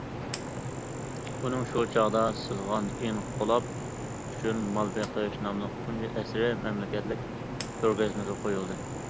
ئۇنىڭ شۇ چاغدا سىزغان‹‹ ئىنقىلاب ئۈچۈن مال بېقىش›› ناملىق تۇنجى ئەسىرى مەملىكەتلىك كۆرگەزمىگە قويۇلدى.